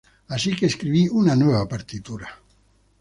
Así que escribí una nueva partitura.